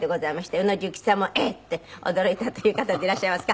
宇野重吉さんも「えっ！」って驚いたという方でいらっしゃいますが。